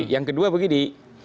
yang kedua begini